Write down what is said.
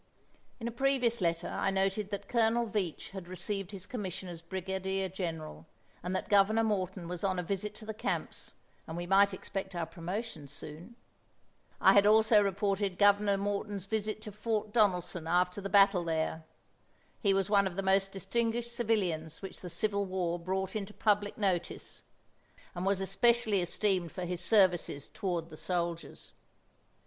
In a previous letter I noted that Colonel Veatch had received his commission as brigadier general, and that Governor Morton was on a visit to the camps and we might expect our promotions soon. I had also reported Governor Morton's visit to Fort Donelson after the battle there. He was one of the most distinguished civilians which the Civil War brought into public notice, and was especially esteemed for his services toward the soldiers.